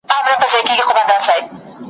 چاته مالونه جایدادونه لیکي `